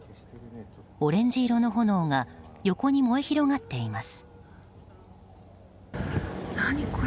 オレンジ色の炎が横に燃え広がっています。